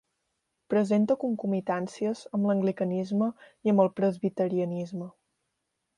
Presenta concomitàncies amb l'anglicanisme i amb el Presbiterianisme.